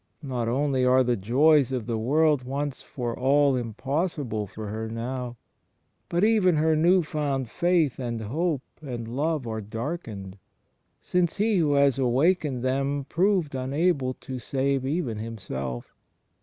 Not only are the joys of the world once for all impossible for her now, but even her new foxmd faith and hope and love are darkened: since He who had awakened them proved imable to save even Himself.